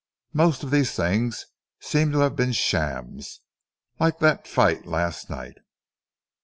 Most of these things seem to have been shams, like the fight last night."